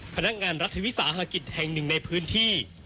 พนักงานรัฐวิสาหกิจแห่งหนึ่งในพื้นที่